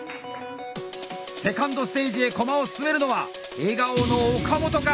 ２ｎｄステージへ駒を進めるのは笑顔の岡本か。